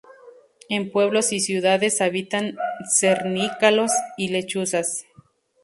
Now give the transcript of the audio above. En pueblos y ciudades habitan cernícalos y lechuzas.